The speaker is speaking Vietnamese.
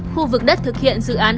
khu vực đất thực hiện dự án